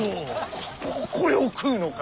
こここれを食うのか？